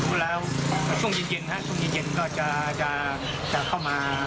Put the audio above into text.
กล่องเข้ามา